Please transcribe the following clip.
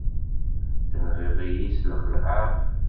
Tenɣiḍ-iyi s lxeɛla!